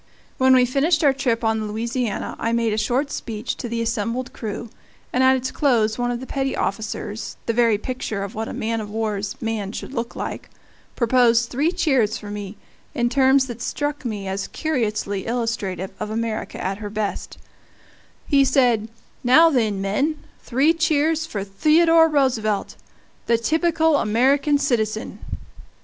When we finished our trip on the Louisiana I made a short speech to the assembled crew, and at its close one of the petty officers, the very picture of what a man of war's man should look like, proposed three cheers for me in terms that struck me as curiously illustrative of America at her best; he said, "Now then, men, three cheers for Theodore Roosevelt, the typical American citizen!"